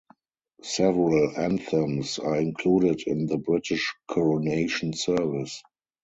Several anthems are included in the British coronation service.